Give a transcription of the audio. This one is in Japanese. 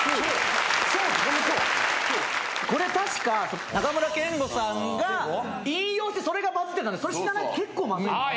これ確か中村憲剛さんが引用してそれがバズってたんでそれ知らないって結構まずい。